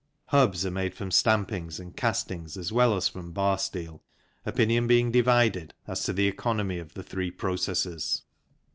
Hubs are made from stampings and castings as well as from bar steel, opinion being divided as to the economy of the three processes.